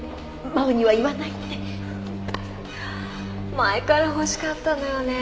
前から欲しかったのよね。